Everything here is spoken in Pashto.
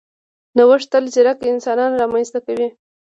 نوښت تل ځیرک انسانان رامنځته کوي.